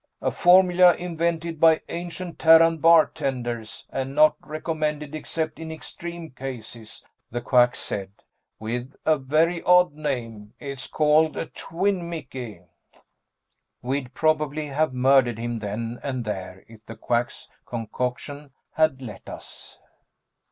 _" "A formula invented by ancient Terran bartenders, and not recommended except in extreme cases," the Quack said. "With a very odd name. It's called a twin Mickey." We'd probably have murdered him then and there if the Quack's concoction had let us.